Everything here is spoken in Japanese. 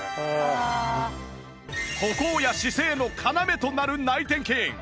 歩行や姿勢の要となる内転筋